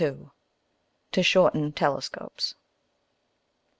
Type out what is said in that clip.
_To shorten Telescopes.